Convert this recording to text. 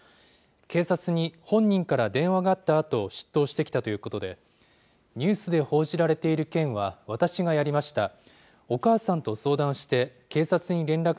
警察に本人から電話があったあと、出頭してきたということで、ニュースで報じられている件は私がやりました、